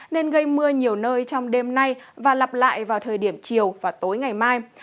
nên gây mưa nhiều nơi trong đêm nay và lặp lại vào thời điểm chiều và tối ngày mai